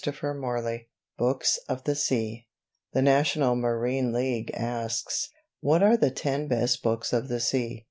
BOOKS OF THE SEA The National Marine League asks, What are the ten best books of the sea?